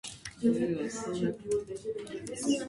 The scholar from Imola worked on the project for several years.